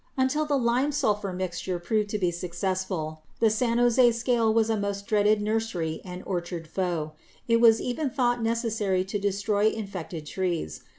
Until the lime sulphur mixture proved to be successful the San Jose scale was a most dreaded nursery and orchard foe. It was even thought necessary to destroy infected trees.